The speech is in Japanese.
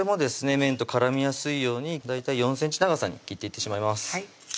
麺と絡みやすいように大体４ｃｍ長さに切っていってしまいます